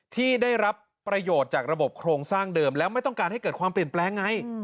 ที่ได้รับประโยชน์จากระบบโครงสร้างเดิมแล้วไม่ต้องการให้เกิดความเปลี่ยนแปลงไง